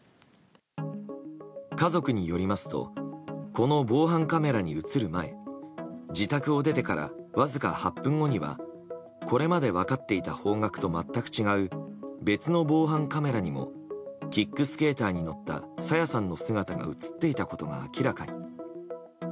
家族によりますとこの防犯カメラに映る前自宅を出てからわずか８分後にはこれまで分かっていた方角と全く違う別の防犯カメラにもキックスケーターに乗った朝芽さんの姿が映っていたことが明らかに。